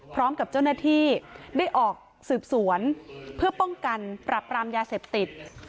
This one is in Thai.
พร้อมกับเจ้าหน้าที่ได้ออกสืบสวนเพื่อป้องกันปรับปรามยาเสพติด